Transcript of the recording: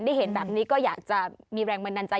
เห็นแบบนี้ก็อยากจะมีแรงบันดาลใจ